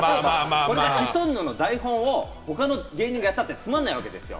シソンヌの台本を他の芸人がやったって、つまんないわけですよ。